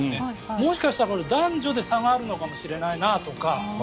もしかしたら男女で差があるかもしれないなとか